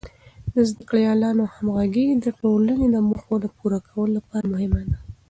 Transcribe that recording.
د زده کړیالانو همغږي د ټولنې د موخو د پوره کولو لپاره مهمه ده.